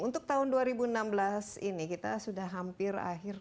untuk tahun dua ribu enam belas ini kita sudah hampir akhir